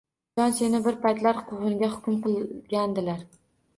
— Jon, seni bir paytlar Quvg‘inga hukm qilgandilar.